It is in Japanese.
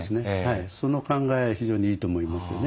その考えは非常にいいと思いますよね。